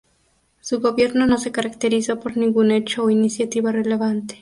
Su gobierno no se caracterizó por ningún hecho o iniciativa relevante.